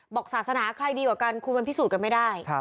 ศาสนาใครดีกว่ากันคุณมันพิสูจน์กันไม่ได้